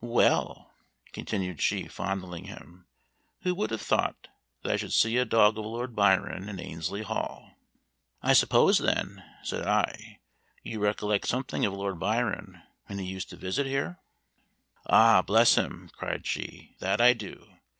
Well!" continued she, fondling him, "who would have thought that I should see a dog of Lord Byron in Annesley Hall!" "I suppose, then," said I, "you recollect something of Lord Byron, when he used to visit here?" "Ah, bless him!" cried she, "that I do!